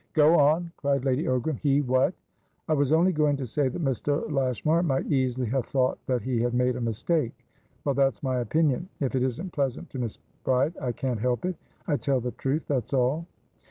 "Go on!" cried Lady Ogram. "Hewhat?" "I was only going to say that Mr. Lashmar might easily have thought that he had made a mistake. Well, that's my opinion; if it isn't pleasant to Miss Bride, I can't help it. I tell the truth, that's all."